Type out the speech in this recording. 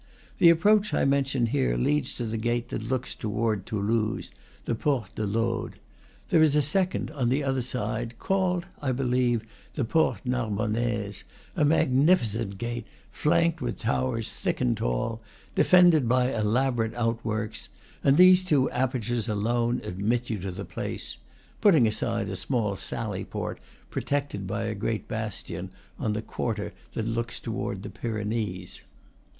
The approach I mention here leads to the gate that looks toward Toulouse, the Porte de l'Aude. There is a second, on the other side, called, I believe, the Porte Nar bonnaise, a magnificent gate, flanked with towers thick and tall, defended by elaborate outworks; and these two apertures alone admit you to the place, putting aside a small sally port, protected by a great bastion, on the quarter that looks toward the Pyrenees.